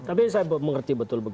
tapi saya mengerti betul